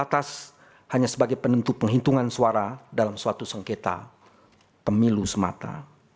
terbatas hanya sebagai penentu penghitungan suara dalam suatu sengketa pemilu semata